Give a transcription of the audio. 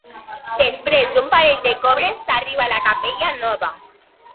Després d'un parell de corbes s'arriba a la capella nova.